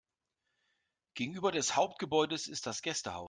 Gegenüber des Hauptgebäudes ist das Gästehaus.